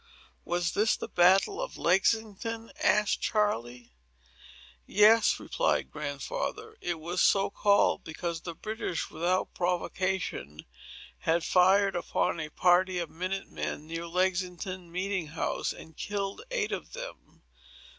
"Was this the battle of Lexington?" asked Charley. "Yes," replied Grandfather; "it was so called, because the British, without provocation, had fired upon a party of minute men, near Lexington meeting house, and killed eight of them.